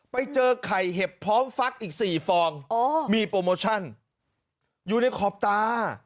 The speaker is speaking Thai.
ไปเจอไข่เห็บพร้อมฟักอีก๔ฟองมีโปรโมชั่นอยู่ในขอบตา